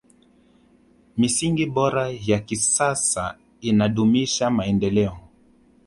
misingi bora ya kisasa inadumisha maendeleo